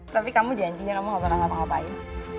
tapi kamu janji ya kamu gak pernah ngapa ngapain